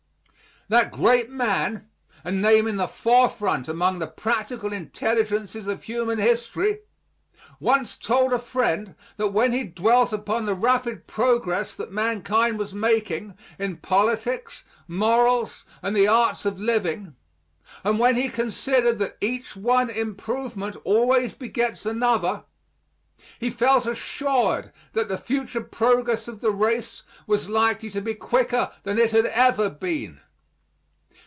That great man a name in the forefront among the practical intelligences of human history once told a friend that when he dwelt upon the rapid progress that mankind was making in politics, morals, and the arts of living, and when he considered that each one improvement always begets another, he felt assured that the future progress of the race was likely to be quicker than it had ever been.